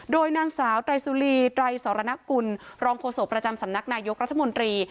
โดยนางสาวไตรสุรีไตรสรณกุลรองโฆษกประจำสำนักนายกรัฐมนตรี